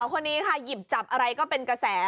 คนนี้ค่ะหยิบจับอะไรก็เป็นกระแส